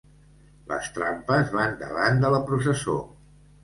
Les trampes van davant de la processó.